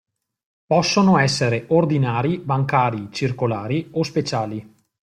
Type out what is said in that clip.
Possono essere ordinari (bancari, circolari) o speciali.